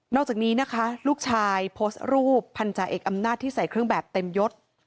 อกจากนี้นะคะลูกชายโพสต์รูปพันธาเอกอำนาจที่ใส่เครื่องแบบเต็มยศ